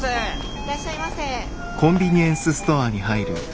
いらっしゃいませ。